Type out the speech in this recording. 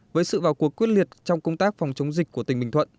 với sự vào cuộc quyết liệt trong công tác phòng chống dịch của tỉnh bình thuận